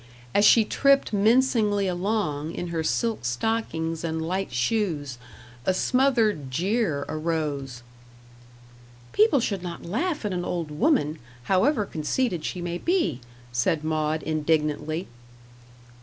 As she tripped mincingly along, in her silk stockings and light shoes, a smothered jeer arose. "People should not laugh at an old woman, however conceited she may be," said Maud, indignantly.